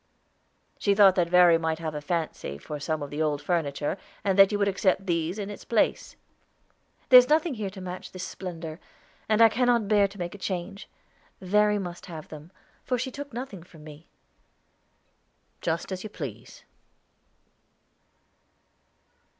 "She thought that Verry might have a fancy for some of the old furniture, and that you would accept these in its place." "There's nothing here to match this splendor, and I cannot bear to make a change. Verry must have them, for she took nothing from me." "Just as you please."